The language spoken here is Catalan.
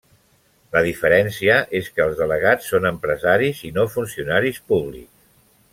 La diferència és que els delegats són empresaris i no funcionaris públics.